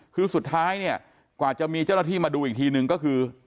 คือสุดท้ายเนี่ยกว่าจะมีเจ้าหน้าที่มาดูอีกทีนึงก็คือ